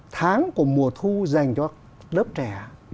tháng của mùa thu dành cho lớp trẻ